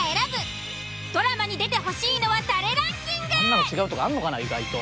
あんなの違うとかあんのかな意外と。